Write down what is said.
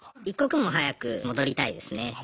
一刻も早く戻りたいですね。